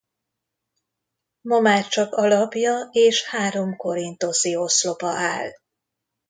Ma már csak alapja és három korinthoszi oszlopa áll.